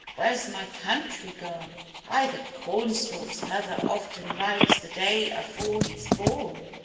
where's my country gone? Why, the cornstalk's mother often rides the day afore he's born!